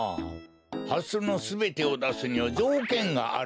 ハスのすべてをだすにはじょうけんがあるのじゃ。